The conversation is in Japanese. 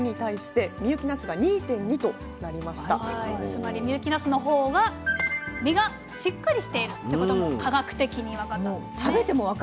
つまり深雪なすの方が実がしっかりしているっていうことも科学的に分かったんですね。